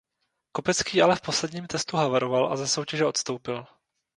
Kopecký ale v posledním testu havaroval a ze soutěže odstoupil.